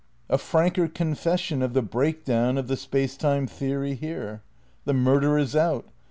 A franker con fession of the break down of the Space Time theory here? The murder is out.